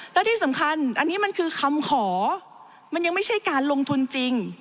แล้วที่สำคัญอันนี้มันคือคำขอมันยังไม่ใช่การลงทุนจริง